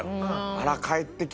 「あら帰ってきたんだ。